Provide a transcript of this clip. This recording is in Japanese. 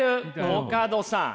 コカドさん。